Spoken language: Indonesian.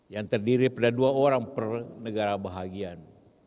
yang terdiri pada dua orang per negara bahagian